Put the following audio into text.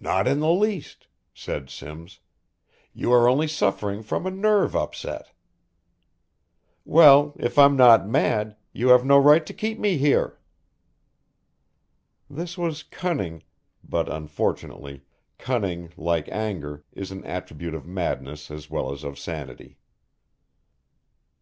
"Not in the least!" said Simms. "You are only suffering from a nerve upset." "Well, if I'm not mad you have no right to keep me here." This was cunning, but, unfortunately, cunning like anger, is an attribute of madness as well as of sanity.